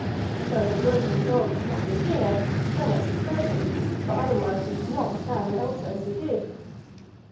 So the roving dogs had not been here; so much was certain, for otherwise we should not have found Else as we did.